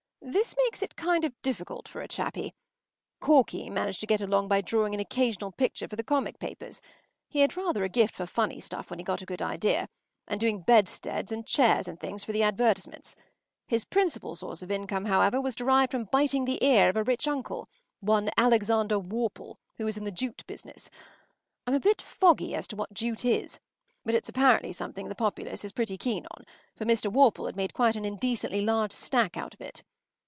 This makes it kind of difficult for a chappie. Corky managed to get along by drawing an occasional picture for the comic papers—he had rather a gift for funny stuff when he got a good idea—and doing bedsteads and chairs and things for the advertisements. His principal source of income, however, was derived from biting the ear of a rich uncle—one Alexander Worple, who was in the jute business. I’m a bit foggy as to what jute is, but it’s apparently something the populace is pretty keen on, for Mr. Worple had made quite an indecently large stack out of it.